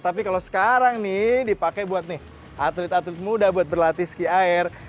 tapi kalau sekarang nih dipakai buat nih atlet atlet muda buat berlatih ski air